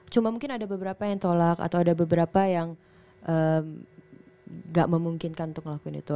cuma mungkin ada beberapa yang tolak atau ada beberapa yang gak memungkinkan untuk ngelakuin itu